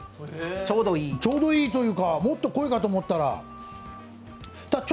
ちょうどいいかというかもっと濃いかと思ったら。